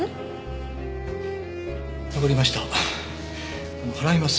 わかりました払います。